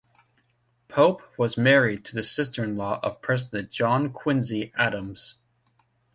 Pope was married to the sister-in-law of President John Quincy Adams.